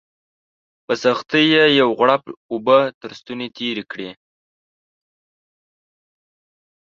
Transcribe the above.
په سختۍ یې یو غوړپ اوبه تر ستوني تېري کړې